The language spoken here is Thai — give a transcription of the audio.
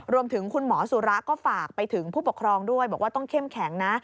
รวมถึงคุณหมอสุระก็ฝากไปถึงผู้ปกครองด้วยบอกว่าต้องเข้มแข็งนะ